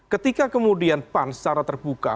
ketika kemudian pan secara terbuka